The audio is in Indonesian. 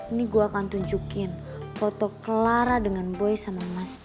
ini gue akan tunjukin foto clara dengan boy sama mas